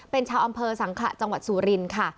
เป็นชาวอำเภอสังขะจังหวัดสุรินค่ะ